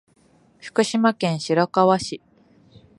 福島県白河市